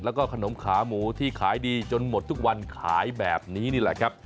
แล้วก็ขนมขาหมูที่ขายดีจนหมดทุกวันขายแบบนี้นี่แหละครับ